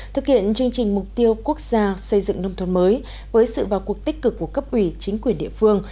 thực hiện chương trình mục tiêu quốc gia xây dựng nông thôn mới với sự vào cuộc tích cực của cấp ủy chính quyền địa phương